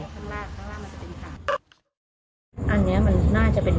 ข้างล่างข้างล่างมันจะเป็นค่ะ